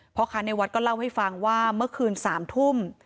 พ่อค้าในวัดก็เล่าให้ฟังว่าเมื่อคืน๓ทุ่ม